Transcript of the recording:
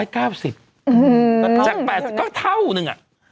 อื้อหือจาก๘๐ก็เท่านึงอ่ะ